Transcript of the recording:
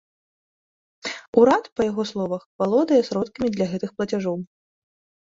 Урад, па яго словах, валодае сродкамі для гэтых плацяжоў.